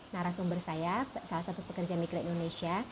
narasumber saya salah satu pekerja migran indonesia